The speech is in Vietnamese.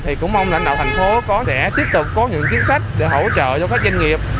thì cũng mong lãnh đạo thành phố có thể tiếp tục có những chính sách để hỗ trợ cho các doanh nghiệp